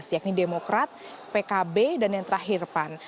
yakni demokrat pkb dan yang terakhir pan